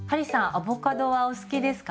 アボカドはお好きですか？